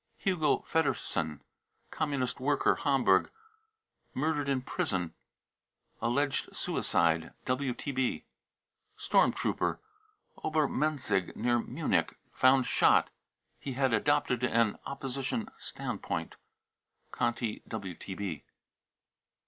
hugo feddersen, Communist worker, Hamburg, murdered in prison, alleged suicide. (WTB.) storm trooper, V Obermenzig, near Munich, found shot ; he had adopted an (( opposition standpoint, (Conti WTB.)